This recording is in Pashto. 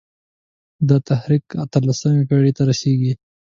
دا تحریک اته لسمې پېړۍ ته رسېږي.